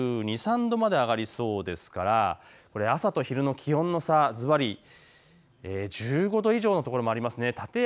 ２２、２３度まで上がりそうですから、朝と昼の気温の差、ずばり、１５度以上の所もあります。